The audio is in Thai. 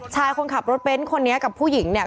คนขับรถเบ้นคนนี้กับผู้หญิงเนี่ย